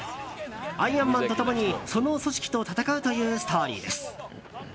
アイアンマンと共にその組織と戦うというストーリーです。